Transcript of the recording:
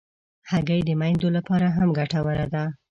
هګۍ د میندو لپاره هم ګټوره ده.